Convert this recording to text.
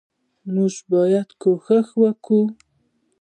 موږ باید کوښښ وکو